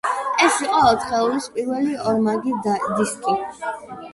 ეს იყო ოთხეულის პირველი ორმაგი დისკი.